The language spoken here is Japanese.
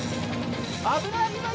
危ない！